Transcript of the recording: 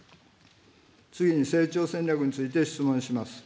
次に成長戦略について質問します。